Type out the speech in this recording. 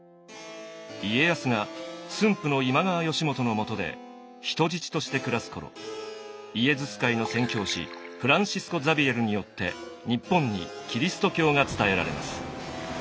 家康が駿府の今川義元のもとで人質として暮らす頃イエズス会の宣教師フランシスコ・ザビエルによって日本にキリスト教が伝えられます。